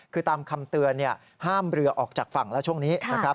คือตามคำเตือนห้ามเรือออกจากฝั่งแล้วช่วงนี้นะครับ